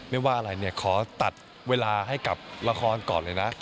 ไม่ว่าอะไรเนี่ยขอตัดเวลาให้กับละครก่อนเลยนะ